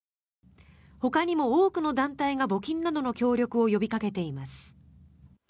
ほかにも多くの団体が募金などの協力を呼びかけています。